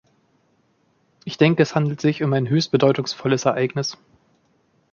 Ich denke, es handelt sich um ein höchst bedeutungsvolles Ereignis.